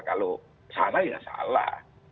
kalau salah ya salah